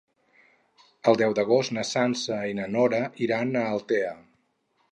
El deu d'agost na Sança i na Nora iran a Altea.